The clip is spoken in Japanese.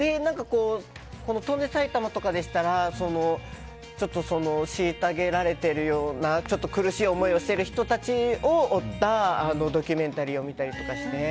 「翔んで埼玉」とかでしたら虐げられてるような苦しい思いをしてる人たちを追ったドキュメンタリーを見たりして。